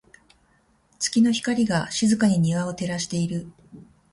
月の光が、静かに庭を照らしている。